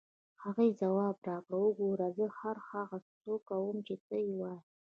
هغې ځواب راکړ: وګوره، زه هر هغه څه کوم چې ته یې وایې.